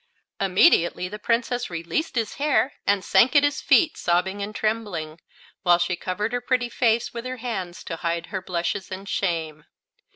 Immediately the Princess released his hair and sank at his feet sobbing and trembling, while she covered her pretty face with her hands to hide her blushes and shame.